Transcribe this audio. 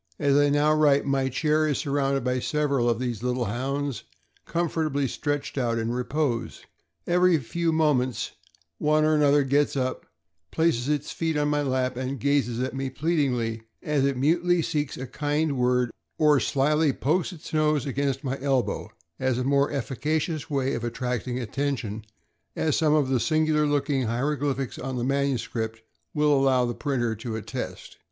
As I now write, my chair is surrounded by several of these little Hounds, com fortably stretched out in repose. Every few moments one or another gets up, places its feet on my lap, and gazes at me pleadingly, as it mutely seeks a kind word, or slyly pokes its nose against my elbow as a more efficacious way of attracting attention, as some of the singular looking hieroglyphics on the manuscript will allow the printer to attest.